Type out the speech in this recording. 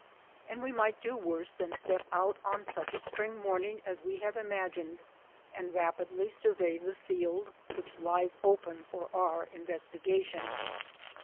And we might do worse than step out on such a spring morning as we have imagined and rapidly survey the field which lies open for our investigation.